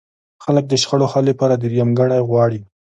خلک د شخړو حل لپاره درېیمګړی غواړي.